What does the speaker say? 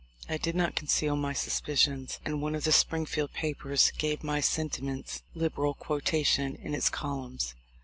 I did not conceal my suspicions, and one of the Springfield papers gave my sentiments liberal quotation in its columns.